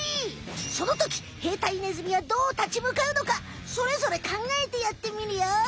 そのとき兵隊ネズミはどうたちむかうのかそれぞれかんがえてやってみるよ！